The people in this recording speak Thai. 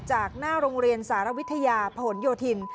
จากหน้าโรงเรียนสารวิทยาผลโยธิน